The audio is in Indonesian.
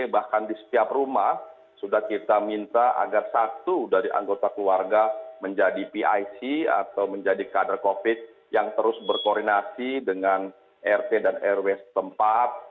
bahkan di setiap rumah sudah kita minta agar satu dari anggota keluarga menjadi pic atau menjadi kader covid yang terus berkoordinasi dengan rt dan rw tempat